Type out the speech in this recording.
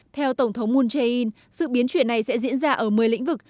theo tổng thống moon jae in sự biến chuyển này sẽ diễn ra ở một mươi lĩnh vực